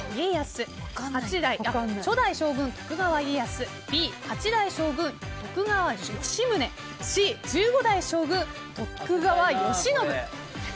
Ａ、初代将軍、徳川家康Ｂ、８代将軍、徳川吉宗Ｃ、１５代将軍、徳川慶喜。